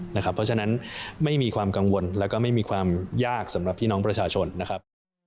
เพราะฉะนั้นไม่มีความกังวลแล้วก็ไม่มีความยากสำหรับพี่น้องประชาชนนะครับ